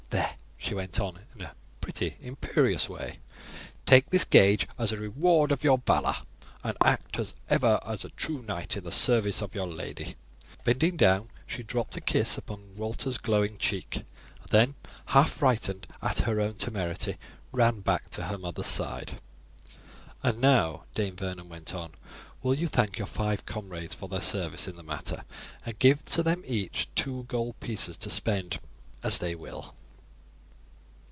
There," she went on in a pretty imperious way, "take this gage as a reward of your valour, and act ever as a true knight in the service of your lady." Bending down she dropt a kiss upon Walter's glowing cheek, and then, half frightened at her own temerity, ran back to her mother's side. "And now," Dame Vernon went on, "will you thank your five comrades for their service in the matter, and give them each two gold pieces to spend as they will."